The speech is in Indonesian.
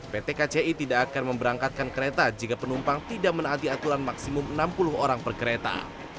pt kci tidak akan memberangkatkan kereta jika penumpang tidak menaati aturan maksimum enam puluh orang per kereta